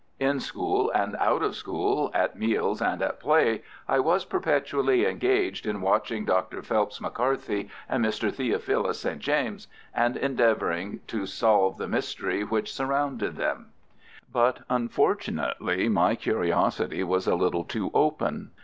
In school and out of school, at meals and at play, I was perpetually engaged in watching Dr. Phelps McCarthy and Mr. Theophilus St. James, and in endeavouring to solve the mystery which surrounded them. But, unfortunately, my curiosity was a little too open.